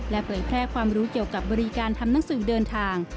เผยแพร่ความรู้เกี่ยวกับบริการทำหนังสือเดินทาง